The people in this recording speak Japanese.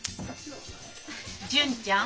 純ちゃん！